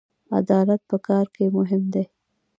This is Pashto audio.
عدالت په کار کې مهم دی